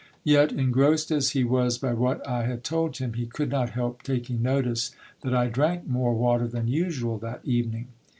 Yet, engrossed as he was by what I had told him, he could not help taking notice that I drank more water than usual that evening.